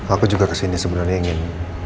aku juga kesini sebenarnya ingin